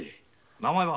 名前は？